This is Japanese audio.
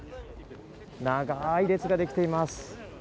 長い列ができています。